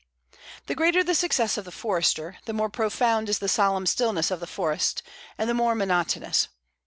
The greater the success of the forester, the more profound is the solemn stillness of the forest and the more monotonous.